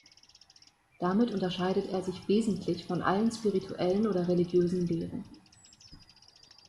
Damit unterscheidet er sich wesentlich von allen spirituellen oder religiösen Lehren.